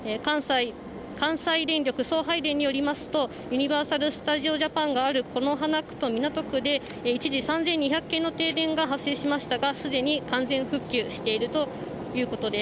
関西電力送配電によりますと、ユニバーサル・スタジオ・ジャパンがある此花区と港区で、一時３２００軒の停電が発生しましたが、すでに完全復旧しているということです。